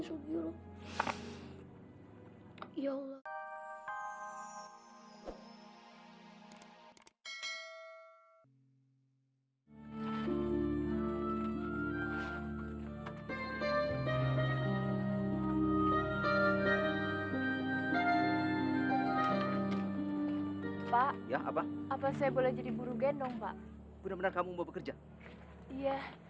subyuruh ya allah ya apa apa saya boleh jadi buru gendong pak benar benar kamu bekerja ya